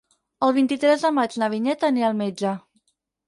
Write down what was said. El vint-i-tres de maig na Vinyet anirà al metge.